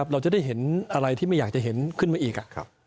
เราจะได้เห็นอะไรที่ไม่อยากจะเห็นขึ้นมาอีก